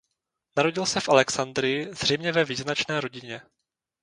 Narodil se v Alexandrii zřejmě ve význačné rodině.